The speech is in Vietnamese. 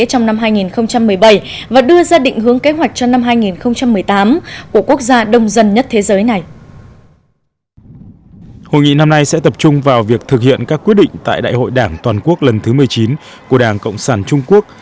hội nghị năm nay sẽ tập trung vào việc thực hiện các quyết định tại đại hội đảng toàn quốc lần thứ một mươi chín của đảng cộng sản trung quốc